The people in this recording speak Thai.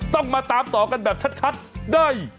ต้องมาตามต่อกันแบบชัดได้